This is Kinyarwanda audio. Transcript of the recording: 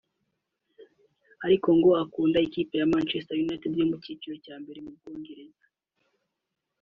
ariko ngo akunda ikipe ya Manchester United yo mu cyiciro cya mbere mu Bwongereza